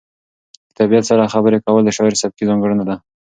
د طبیعت سره خبرې کول د شاعر سبکي ځانګړنه ده.